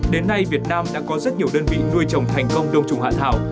đến nay việt nam đã có rất nhiều đơn vị nuôi trồng thành công đông trùng hạ thảo